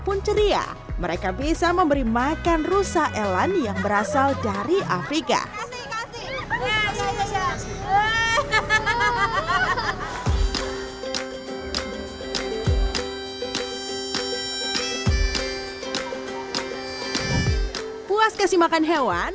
pun ceria mereka bisa memberi makan rusa elan yang berasal dari afrika puas kasih makan hewan